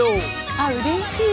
あっうれしい。